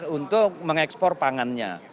untuk mengekspor pangannya